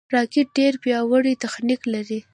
راکټ ډېر پیاوړی تخنیک لري